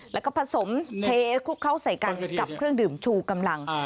แล้วก็ผสมเทคลุกเข้าใส่กันกับเครื่องดื่มชูกำลัง